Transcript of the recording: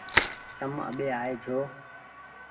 تم آٻي آئي ڇو